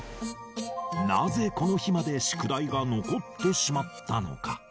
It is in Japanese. なぜこの日まで宿題は残ってしまったのか。